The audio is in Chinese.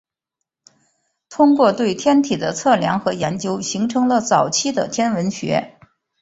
通过对天体的测量和研究形成了早期的天文学。